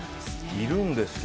いるんですよ。